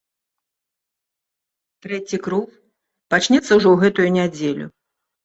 Трэці круг пачнецца ўжо ў гэту нядзелю.